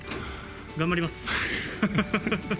頑張ります。